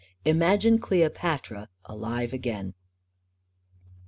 Imagine Cleopatra alive again